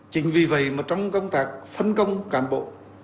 chính vì vậy mà trong công tác phân công cán bộ